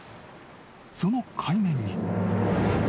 ［その海面に］